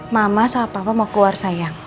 mama sama papa mau keluar sayang